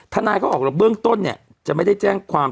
ทนายเขาออกแล้วเบื้องต้นเนี่ยจะไม่ได้แจ้งความ